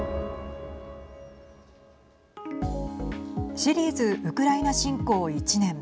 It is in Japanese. シリーズウクライナ侵攻１年。